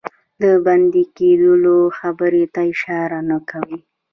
د بندي کېدلو خبري ته اشاره نه کوي.